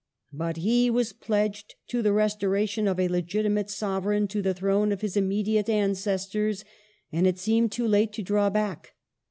But he was pledged to the restoration of a legitimate Sovereign to the thi'one of his immediate ancestors, and it seemed too late to draw back.